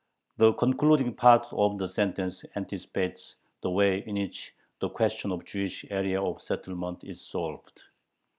The concluding part of the sentence anticipates the way in which the question of the Jewish area of settlement is solved.